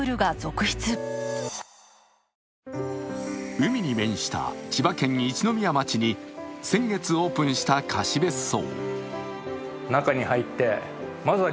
海に面した千葉県一宮町に先月オープンした貸別荘。